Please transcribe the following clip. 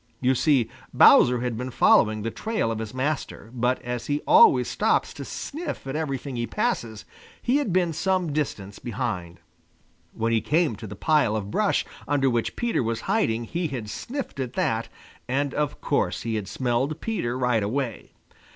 You see, Bowser had been following the trail of his master, but as he always stops to sniff at everything he passes, he had been some distance behind. When he came to the pile of brush under which Peter was hiding he had sniffed at that, and of course he had smelled Peter right away.